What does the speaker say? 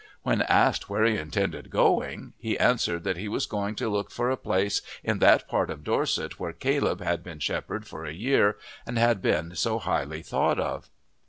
When asked where he intended going, he answered that he was going to look for a place in that part of Dorset where Caleb had been shepherd for a year and had been so highly thought of.